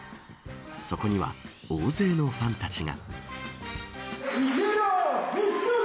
そこには大勢のファンたちが。